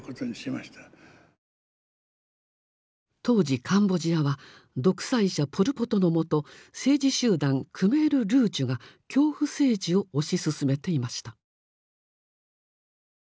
当時カンボジアは独裁者ポル・ポトの下政治集団クメール・ルージュが恐怖政治を推し進めていました。